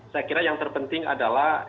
saya kira yang terpenting adalah